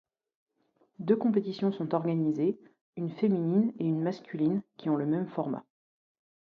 Deux compétitions sont organisés, une féminine et une masculine qui ont le même format.